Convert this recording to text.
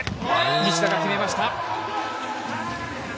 西田が決めました。